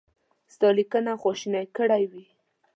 ستا لیکنه خواشینی کړی وي.